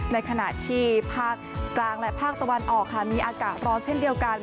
ในขณะที่ภาคกลางและภาคตะวันออกค่ะมีอากาศร้อนเช่นเดียวกัน